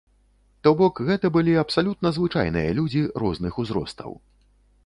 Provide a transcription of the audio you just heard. То бок гэта былі абсалютна звычайныя людзі розных узростаў.